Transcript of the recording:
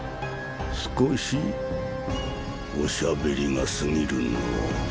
少しおしゃべりが過ぎるのう。